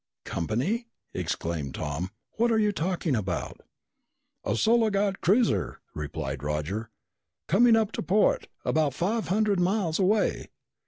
"Company?" exclaimed Tom. "What're you talking about?" "A Solar Guard cruiser," replied Roger. "Coming up to port. About five hundred miles away.